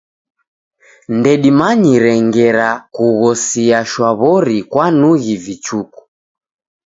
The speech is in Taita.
Ndedimanyire ngera kughosia shwaw'ori kwanughi vichuku.